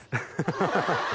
ハハハ。